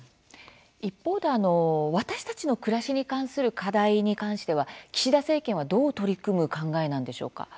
一方で私たちの暮らしに関する課題に関しては岸田政権はどう取り組む考えなんでしょうか。